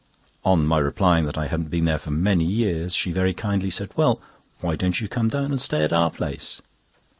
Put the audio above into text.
On my replying that I hadn't been there for many years, she very kindly said: "Well, why don't you come down and stay at our place?"